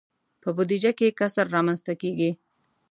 په بودجه کې کسر رامنځته کیږي.